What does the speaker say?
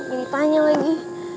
ini tanya lagi